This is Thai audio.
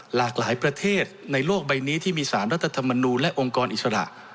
หลากหลายประเทศในโลกใบนี้ที่มีสารรัฐธรรมนูลและองค์กรอิสระ